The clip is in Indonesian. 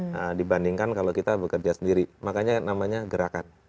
nah dibandingkan kalau kita bekerja sendiri makanya namanya gerakan